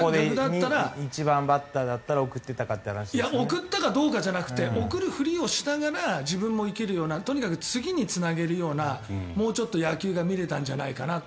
ここで１番バッターだったら送ったかどうかじゃなくて送るふりをしながら自分も生きるようなとにかく次につなげるようなもうちょっと野球が見れたんじゃないかなって